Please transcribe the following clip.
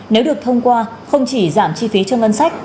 nếu được thông qua không chỉ giảm chi phí cho ngân sách